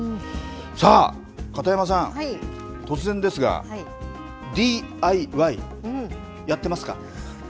さあ、片山さん、突然ですが、ＤＩＹ、やってますか？